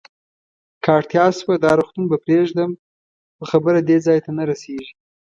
که اړتیا شوه، دا روغتون به پرېږدم، خو خبره دې ځای ته نه رسېږي.